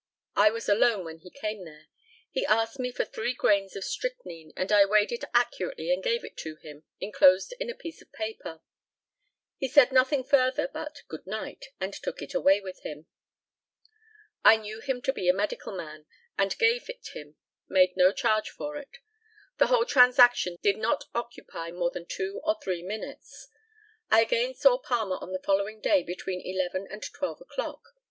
I was alone when he came there. He asked me for three grains of strychnine, and I weighed it accurately and gave it to him, enclosed in a piece of paper. He said nothing further, but "Good night," and took it away with him. I knew him to be a medical man, and gave it him, made no charge for it. The whole transaction did not occupy more than two or three minutes. I again saw Palmer on the following day, between eleven and twelve o'clock.